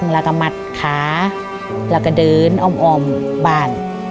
แล้วก็หมัดขาแล้วก็เดินอ้อมบ้าน